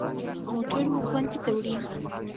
موټر مو ښوونځي ته وړي.